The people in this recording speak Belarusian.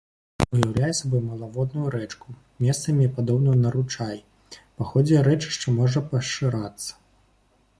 Уяўляе сабой малаводную рэчку, месцамі падобную на ручай, па ходзе рэчышча можа пашырацца.